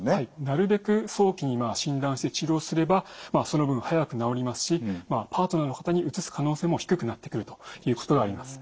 なるべく早期に診断して治療すればその分早く治りますしパートナーの方にうつす可能性も低くなってくるということがあります。